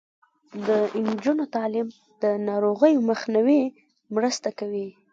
د نجونو تعلیم د ناروغیو مخنیوي مرسته کوي.